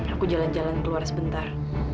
aku jalan jalan keluar sebentar